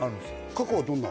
過去はどんな？